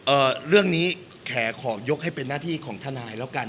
เรื่องนี้แขขอยกให้เป็นหน้าที่ของทนายแล้วกัน